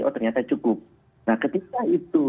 oh ternyata cukup nah ketika itu